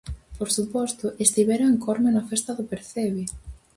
Por suposto, estivera en Corme na festa do percebe!